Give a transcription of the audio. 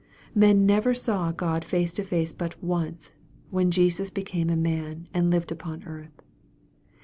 Men never saw God face to face but once, when Jesus became a man, and lived upon earth.